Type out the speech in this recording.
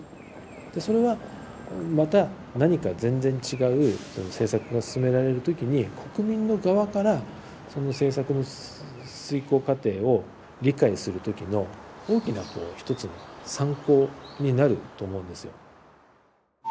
でそれはまた何か全然違う政策が進められる時に国民の側からその政策の遂行過程を理解する時の大きなこう一つの参考になると思うんですよ。